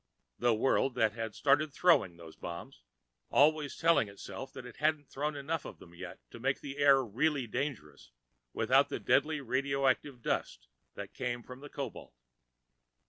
The world that had started throwing those bombs, always telling itself that it hadn't thrown enough of them yet to make the air really dangerous with the deadly radioactive dust that came from the cobalt.